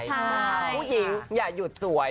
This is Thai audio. คุณจ๋าผู้หญิงอย่าหยุดสวย